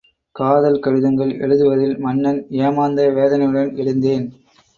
காதல் கடிதங்கள் எழுதுவதில் மன்னன். ஏமாந்த வேதனையுடன் எழுந்தேன்.